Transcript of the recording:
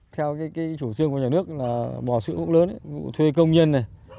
theo chủ trương của nhà nước bò sữa cũng lớn thuê công nhân